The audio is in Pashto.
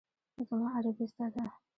زما عربي زده ده.